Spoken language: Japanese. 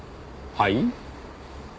はい？